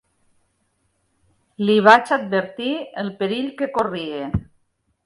Li vaig advertir el perill que corria.